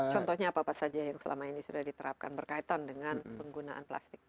contohnya apa apa saja yang selama ini sudah diterapkan berkaitan dengan penggunaan plastik